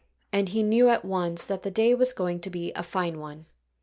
And he knew at once that the day was going to be a fine one.